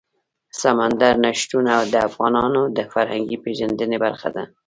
سمندر نه شتون د افغانانو د فرهنګي پیژندنې برخه ده.